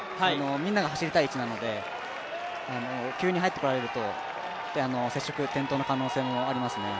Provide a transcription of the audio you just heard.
みんなが走りたい位置なので急に入ってこられると接触、転倒の可能性もありますね。